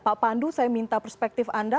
pak pandu saya minta perspektif anda